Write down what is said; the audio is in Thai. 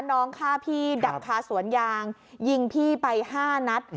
น้องฆ่าพี่ดับคาสวนยางยิงพี่ไป๕นัด